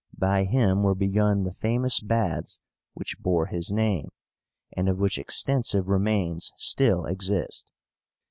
By him were begun the famous baths which bore his name, and of which extensive remains still exist.